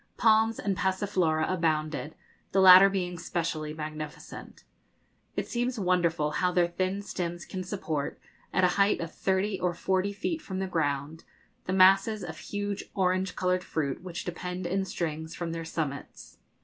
Palms and passiflora abounded, the latter being specially magnificent. It seems wonderful how their thin steins can support, at a height of thirty or forty feet from the ground, the masses of huge orange coloured fruit which depend in strings from their summits.